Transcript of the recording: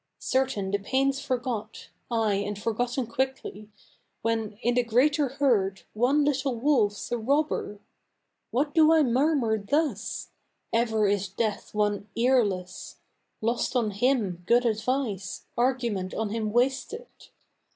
Certain the pain's forgot ay, and forgotten quickly, When, in the greater herd, one little wolf's a robber! What do I murmur thus? Ever is Death one earless. Lost on him good advice, argument on him wasted.